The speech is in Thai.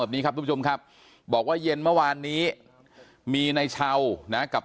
แบบนี้ครับทุกผู้ชมครับบอกว่าเย็นเมื่อวานนี้มีในเช้านะกับ